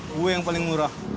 gue yang paling murah